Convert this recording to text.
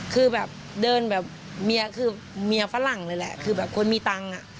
คือแบบเดินแบบเมียคือเมียฝรั่งเลยแหละคือแบบคนมีตังค์อ่ะ